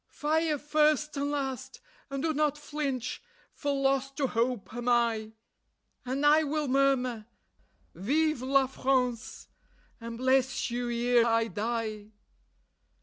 "Fire first and last, and do not flinch; for lost to hope am I; And I will murmur: VIVE LA FRANCE! and bless you ere I die."